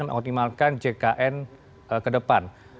mengoptimalkan jkn ke depan